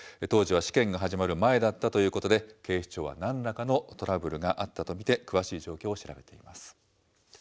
当時は試験が始まる前だったということで、警視庁はなんらかのトラブルがあったと見て詳しい状況を調べています。